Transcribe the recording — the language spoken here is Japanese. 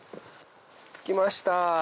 着きました。